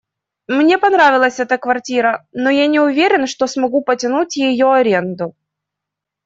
Мне понравилась эта квартира, но я не уверен, что смогу потянуть её аренду.